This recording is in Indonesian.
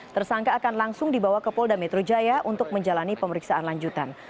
tersangka akan langsung dibawa ke polda metro jaya untuk menjalani pemeriksaan lanjutan